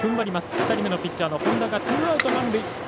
２人目のピッチャー本田がツーアウト満塁。